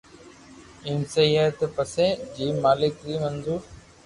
ايم سھي ھي ني پسي جيم مالڪ ني منظور